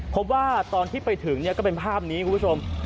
พบว่าตอนที่ไปถึงก็เป็นภาพนี้คุณผู้ชม